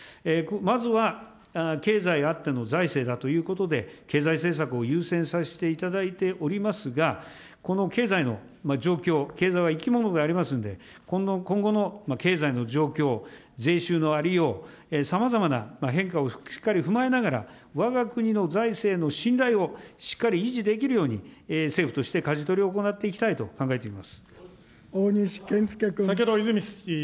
まずは経済あっての財政だということで、経済政策を優先させていただいておりますが、この経済の状況、経済は生き物でありますんで、今後の経済の状況、税収のありよう、さまざまな変化をしっかり踏まえながら、わが国の財政の信頼をしっかり維持できるように、政府としてかじ取りを行っていきたいと考えています。